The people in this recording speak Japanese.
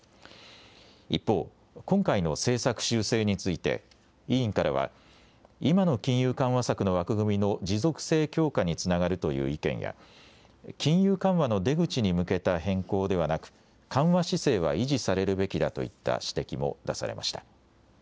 一方、今回の政策修正について、委員からは、今の金融緩和策の枠組みの持続性強化につながるという意見や、金融緩和の出口に向けた変更ではなく、緩和姿勢は維持されるべきだといった指摘も出されました。